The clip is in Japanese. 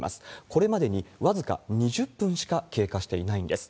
これまでに僅か２０分しか経過していないんです。